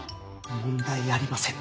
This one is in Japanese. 問題ありません。